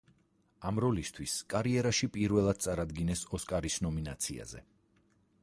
ამ როლისთვის კარიერაში პირველად წარადგინეს ოსკარის ნომინაციაზე.